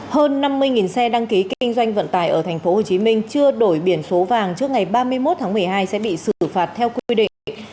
hơn năm mươi xe đăng ký kinh doanh vận tải ở tp hcm chưa đổi biển số vàng trước ngày ba mươi một tháng một mươi hai sẽ bị xử phạt theo quy định